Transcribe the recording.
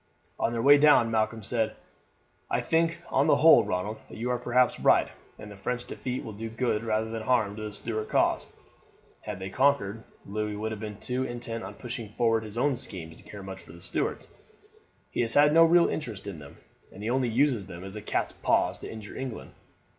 On their way down Malcolm said: "I think, on the whole, Ronald, that you are perhaps right, and the French defeat will do good rather than harm to the Stuart cause. Had they conquered, Louis would have been too intent on pushing forward his own schemes to care much for the Stuarts. He has no real interest in them, and only uses them as cat's paws to injure England.